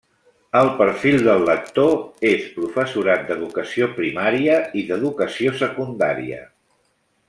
El perfil del lector és professorat d'educació primària i d'educació secundària.